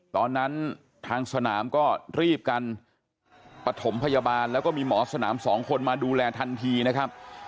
ตอนนั้นทางสนามก็รีบกันปฐมพยาบาลแล้วก็มีหมอสนามสองคนมาดูแลทันทีนะครับ